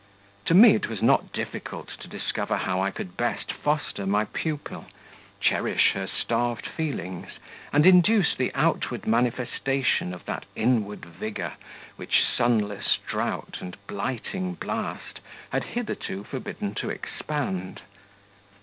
To me it was not difficult to discover how I could best foster my pupil, cherish her starved feelings, and induce the outward manifestation of that inward vigour which sunless drought and blighting blast had hitherto forbidden to expand.